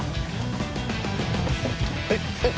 えっえっ